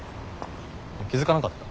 気付かなかった？